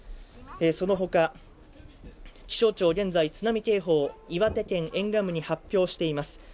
その他気象庁現在津波警報、岩手県沿岸部に発表しています。